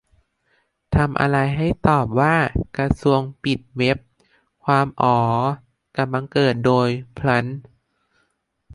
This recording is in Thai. ทำอะไร ให้ตอบว่า "กระทรวงปิดเว็บ" - ความ "อ๋อ" จะบังเกิดโดยพลัน